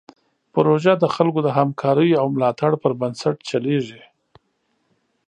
پروژه د خلکو د همکاریو او ملاتړ پر بنسټ چلیږي.